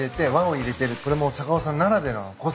それも坂尾さんならではの個性作品ですね。